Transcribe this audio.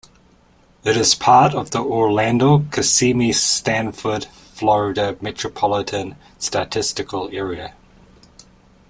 It is part of the Orlando-Kissimmee-Sanford, Florida Metropolitan Statistical Area.